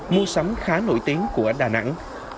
mua sắm khá nổi tiếng của đà nẵng